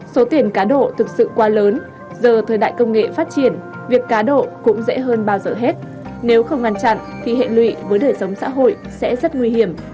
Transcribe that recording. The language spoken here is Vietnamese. số tiền cá độ thực sự quá lớn giờ thời đại công nghệ phát triển việc cá độ cũng dễ hơn bao giờ hết nếu không ngăn chặn thì hệ lụy với đời sống xã hội sẽ rất nguy hiểm